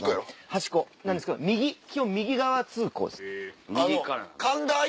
端っこなんですけど右基本右側通行です。